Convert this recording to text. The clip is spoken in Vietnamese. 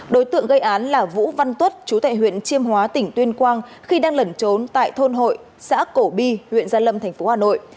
đối tượng gây án là vũ văn tuất chú tại huyện chiêm hóa tỉnh tuyên quang khi đang lẩn trốn tại thôn hội xã cổ bi huyện gia lâm thành phố hà nội